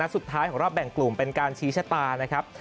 สุดท้ายของรอบแบ่งกลุ่มเป็นการชี้ชะตานะครับ